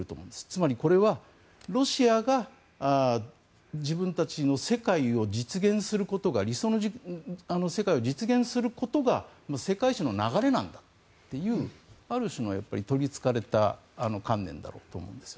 つまり、これはロシアが自分たちの世界を理想の世界を実現することが世界史の流れなんだというある種の取りつかれた観念だろうと思います。